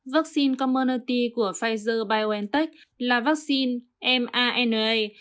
vaccine community của pfizer biontech là vaccine mrna